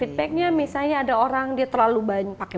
feedbacknya misalnya ada orang dia terlalu banyak pakai